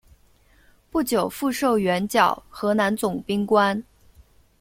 不久复授援剿河南总兵官。